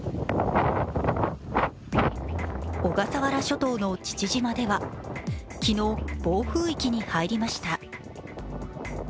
小笠原諸島の父島では昨日、暴風域に入りました。